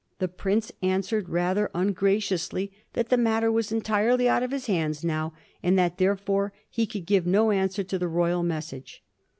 The prince answered rather ungra ciously that the matter was entirely out of his hands now, and that therefore he could give no answer to the Royal message.